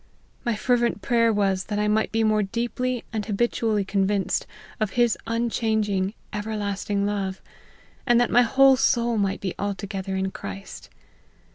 My fervent prayer was, that I might be more deeply and habitually convinced of his unchanging ever lasting love, and that my whole soul might be alto gether in Christ.